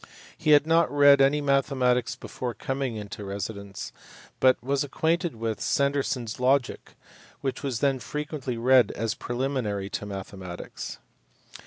He had not read any mathematics before coming into residence, but was acquainted with Sanderson s Logic, which was then frequently read as preliminary to mathematics.